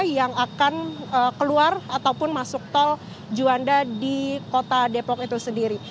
yang akan keluar ataupun masuk tol juanda di kota depok itu sendiri